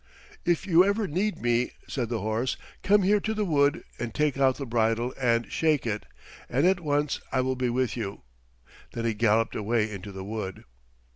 "If you ever need me," said the horse, "come here to the wood and take out the bridle and shake it, and at once I will be with you." Then he galloped away into the wood.